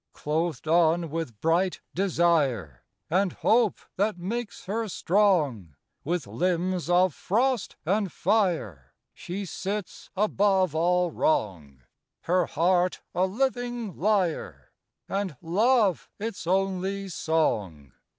Clothed on with bright desire And hope that makes her strong, With limbs of frost and fire, She sits above all wrong, Her heart a living lyre, And love its only song.